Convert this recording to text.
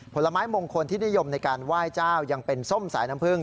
ผลไม้มงคลที่นิยมในการไหว้เจ้ายังเป็นส้มสายน้ำพึ่ง